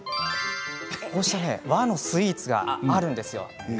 和のスイーツがあるんですよ。